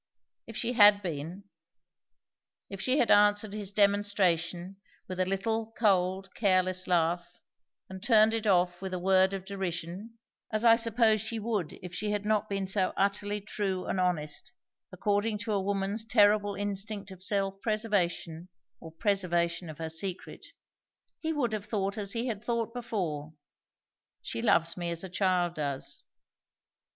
If she had been; if she had answered his demonstration with a little cold, careless laugh, and turned it off with a word of derision; as I suppose she would if she had not been so utterly true and honest, according to a woman's terrible instinct of self preservation, or preservation of her secret; he would have thought as he had thought before she loves me as a child does.